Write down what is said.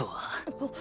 あっ。